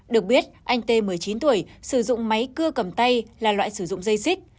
được biết anh t một mươi chín tuổi sử dụng máy cưa cầm tay là loại sử dụng dây xích